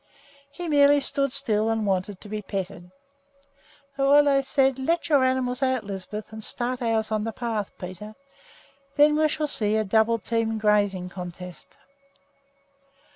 He merely stood still and wanted to be petted. So Ole said: "Let your animals out, Lisbeth, and start ours on the path, Peter. Then we shall see a double team grazing contest."